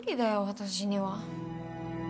私には。